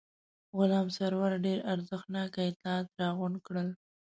غلام سرور ډېر ارزښتناک اطلاعات راغونډ کړل.